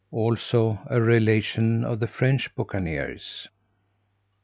Also a Relation of the French Buccaneers.